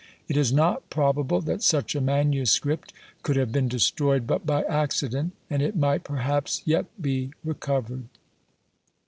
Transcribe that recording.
It is not probable that such a MS. could have been destroyed but by accident; and it might, perhaps, yet be recovered.